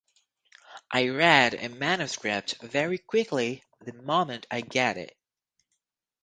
I read a manuscript very quickly, the moment I get it.